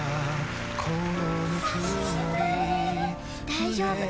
大丈夫。